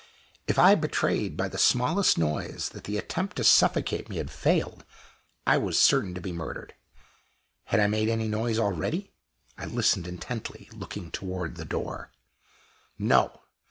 If I betrayed by the smallest noise that the attempt to suffocate me had failed, I was certain to be murdered. Had I made any noise already? I listened intently, looking towards the door. No!